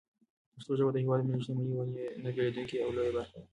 پښتو ژبه د هېواد د ملي شتمنۍ یوه نه بېلېدونکې او لویه برخه ده.